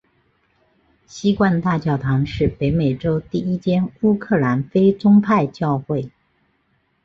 锡罐大教堂是北美洲第一间乌克兰非宗派教会。